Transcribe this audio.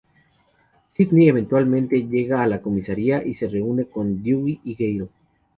Sídney eventualmente llega a la comisaría y se reúne con Dewey y Gale.